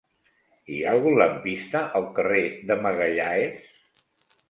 Hi ha algun lampista al carrer de Magalhães?